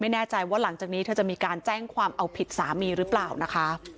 ในการแจ้งความเอาผิดสามีหรือเปล่านะคะ